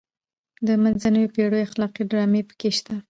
د منځنیو پیړیو اخلاقي ډرامې پکې شته.